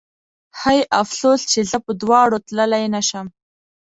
هی افسوس چې زه په دواړو تللی نه شم